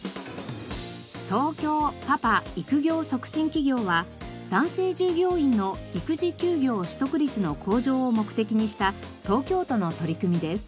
企業は男性従業員の育児休業取得率の向上を目的にした東京都の取り組みです。